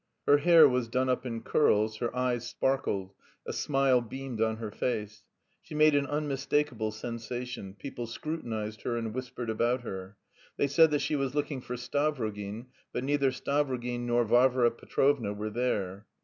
Her hair was done up in curls, her eyes sparkled, a smile beamed on her face. She made an unmistakable sensation: people scrutinised her and whispered about her. They said that she was looking for Stavrogin, but neither Stavrogin nor Varvara Petrovna were there.